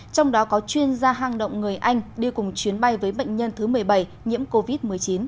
trong đó có chuyên gia hang động người anh đi cùng chuyến bay với bệnh nhân thứ một mươi bảy nhiễm covid một mươi chín